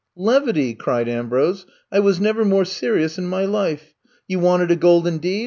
Levity," cried Ambrose. I was never more serious in my life. You wanted a golden deed.